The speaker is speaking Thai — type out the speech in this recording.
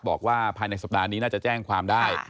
บอกว่าภายในสัปดาห์นี้น่าจะแจ้งความได้